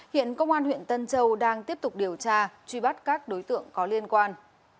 hiện công an huyện tân châu đang tiếp tục điều tra truy bắt các đối tượng có liên quan